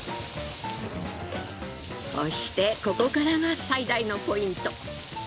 そしてここからが最大のポイント。